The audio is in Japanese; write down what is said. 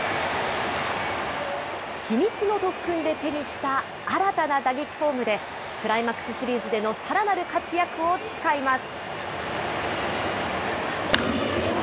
秘密の特訓で手にした新たな打撃フォームで、クライマックスシリーズでのさらなる活躍を誓います。